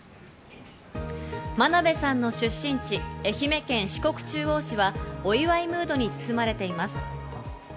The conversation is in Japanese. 真鍋さんの出身地、愛媛県四国中央市は、お祝いムードに包まれています。